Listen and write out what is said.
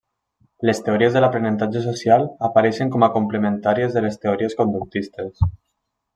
Les teories de l'aprenentatge social apareixen com a complementàries de les teories conductistes.